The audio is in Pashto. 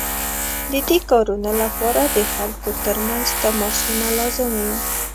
د دې کارونو لپاره د خلکو ترمنځ تماسونه لازم وو.